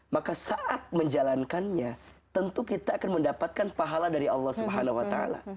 maka saat menjalankannya tentu kita akan mendapatkan pahala dari allah swt